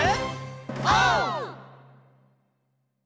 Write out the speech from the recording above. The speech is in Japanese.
オー！